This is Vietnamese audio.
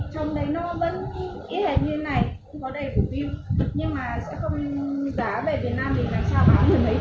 nhưng mà sẽ không giá về việt nam mình là sao bán được mấy triệu cái thứ được